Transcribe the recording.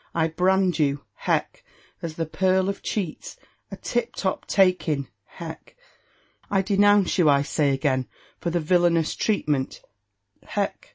I brand you (hech!) as the pearl of cheats, a tip top take in (hech!). I denounce you, I say again, for the villainous treatment (hech!)